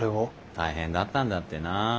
大変だったんだってな。